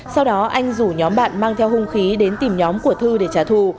sau đó anh rủ nhóm bạn mang theo hung khí đến tìm nhóm của thư để trả thù